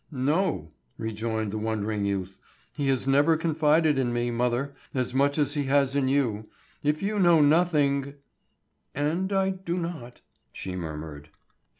"No," rejoined the wondering youth. "He has never confided in me, mother, as much as he has in you. If you know nothing—" "And I do not," she murmured.